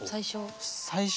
最初。